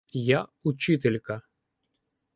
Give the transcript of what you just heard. — Я учителька.